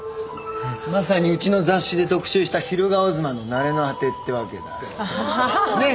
まさにうちの雑誌で特集した昼顔妻の成れの果てってわけだ。ねえ？